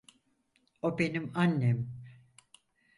O benim annem.